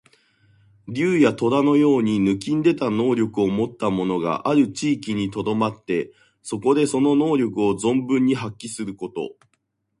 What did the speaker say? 竜や、とらのように抜きんでた能力をもった者がある地域にとどまって、そこでその能力を存分に発揮すること。